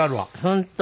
本当。